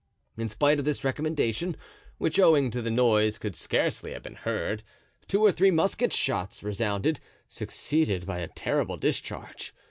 In spite of this recommendation, which, owing to the noise, could scarcely have been heard, two or three musket shots resounded, succeeded by a terrible discharge.